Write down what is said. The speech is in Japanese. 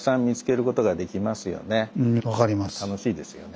楽しいですよね。